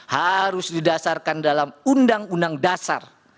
harus didasarkan dalam undang undang dasar